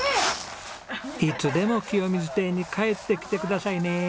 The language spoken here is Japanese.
いつでもきよみず邸に帰ってきてくださいね。